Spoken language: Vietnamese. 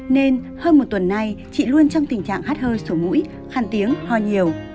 nên hơn một tuần nay chị luôn trong tình trạng hát hơi sổ mũi khăn tiếng ho nhiều